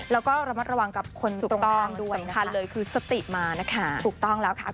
แล้วก็ระมัดระวังกับคนถูกต้องด้วยสำคัญเลยคือสติมานะคะถูกต้องแล้วค่ะ